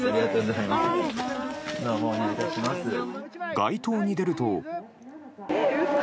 街頭に出ると。